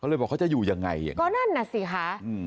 เลยบอกเขาจะอยู่ยังไงอย่างนั้นก็นั่นน่ะสิคะ